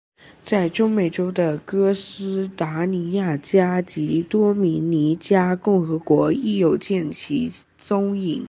在中美洲的哥斯达尼加及多明尼加共和国亦有见其踪影。